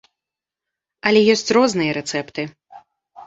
Але ёсць розныя рэцэпты.